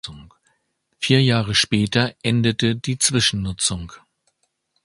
Vier Jahre später endete die Zwischennutzung.